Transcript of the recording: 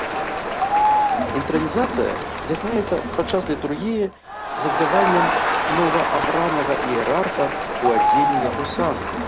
Інтранізацыя здзяйсняецца падчас літургіі з адзяваннем новаабранага іерарха ў адзенні яго сану.